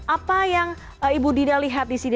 apa yang ibu dina lihat di sini